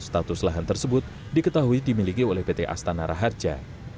status lahan tersebut diketahui dimiliki oleh pt astana raharja